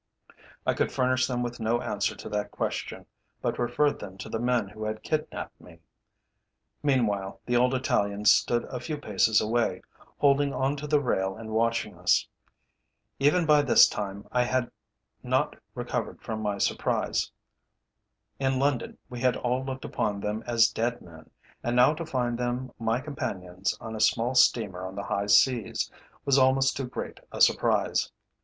I could furnish them with no answer to that question, but referred them to the men who had kidnapped me. Meanwhile, the old Italian stood a few paces away, holding on to the rail and watching us. Even by this time I had not recovered from my surprise. In London we had all looked upon them as dead men, and now to find them my companions on a small steamer on the high seas, was almost too great a surprise.